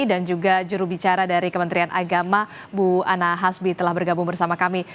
dan juga jurubicara dari kementerian agama bu anna hasbi telah bergabung bersama kami